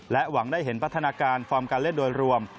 หวังได้เห็นพัฒนาการฟอร์มการเล่นโดยรวม